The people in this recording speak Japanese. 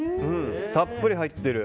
たっぷり入ってる。